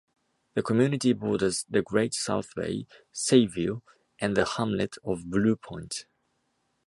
The community borders the Great South Bay, Sayville and the hamlet of Blue Point.